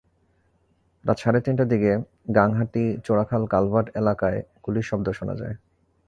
রাত সাড়ে তিনটার দিকে গাংহাটি চোরাখাল কালভার্ট এলাকায় গুলির শব্দ শোনা যায়।